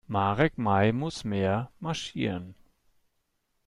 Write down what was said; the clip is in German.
Marek Mai muss mehr marschieren.